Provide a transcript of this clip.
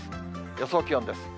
予想気温です。